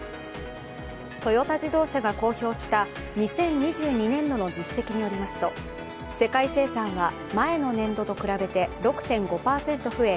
トヨタ自動車が公表した２０２２年度の実績によりますと、世界生産は前の年度と比べて６．５％増え